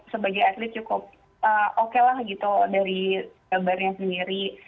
sebagai atlet cukup oke lah gitu dari gambarnya sendiri